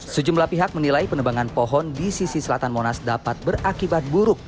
sejumlah pihak menilai penebangan pohon di sisi selatan monas dapat berakibat buruk